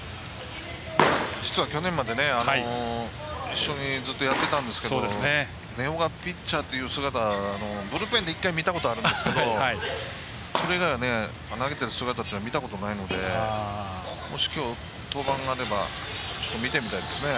実は去年まで一緒にずっとやってたんですけど根尾がピッチャーっていう姿ブルペンで１回見たことがあるんですけどそれ以外は投げてる姿というのは見たことないのでもし、きょう登板あればちょっと見てみたいですね。